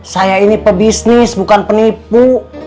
saya ini pebisnis bukan penipu